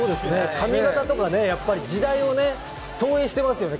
髪形とか時代を投影していますよね。